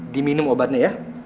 diminum obatnya ya